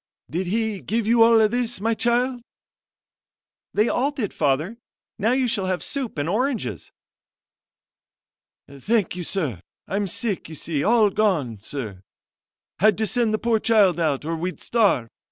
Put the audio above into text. "Did he give you all this, my child?" "They all did, Father; now you shall have soup and oranges." "Thank you, sir I'm sick, you see all gone, sir! had to send the poor child out, or we'd starve.